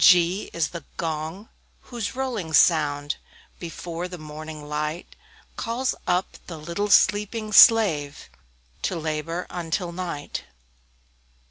G G is the Gong, whose rolling sound, Before the morning light, Calls up the little sleeping slave, To labor until night.